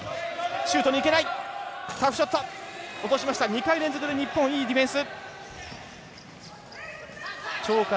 ２回連続、日本いいディフェンス。